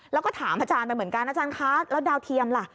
แล้วก็ถามอาจารย์ไปเหมือนกันอาจารย์คะแล้วดาวเทียมล่ะ